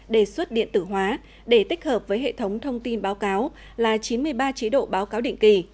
đề xuất điện tử hóa để tích hợp với hệ thống thông tin báo cáo là chín mươi ba chế độ báo cáo định kỳ